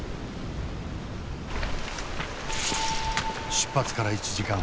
出発から１時間半。